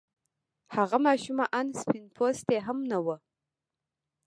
هغه ماشومه آن سپين پوستې هم نه وه.